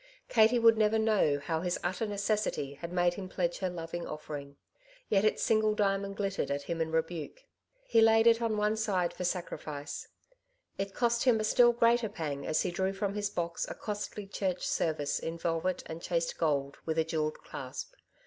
Katie would never know how his utter necessity had made him pledge her loving oflFering. Yet its single diamond glittered at him in rebuke. He laid it on one side for sacri fice. It cost him a still greater pang as he drew from his box a costly church service, in velvet and chased gold, with a jewelled clasp.